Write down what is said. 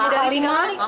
lebih dari lima kali